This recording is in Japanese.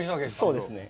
そうですね。